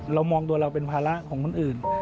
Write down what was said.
เรามองตัวเราเป็นภาระของคนอื่น